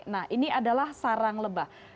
nah ini adalah sarang lebah